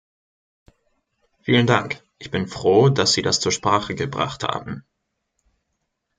Vielen Dank, ich bin froh, dass Sie das zur Sprache gebracht haben.